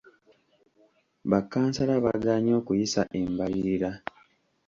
Ba kkansala baagaanye okuyisa embalirira.